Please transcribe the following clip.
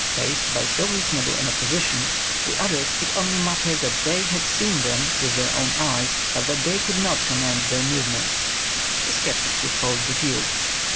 '' Faced by so reasonable an op position, the others could only mutter that they had seen them with their own eyes, but that they could not command their move ments. The sceptics would hold the field.